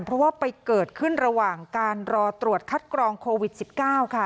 เพราะว่าไปเกิดขึ้นระหว่างการรอตรวจคัดกรองโควิด๑๙ค่ะ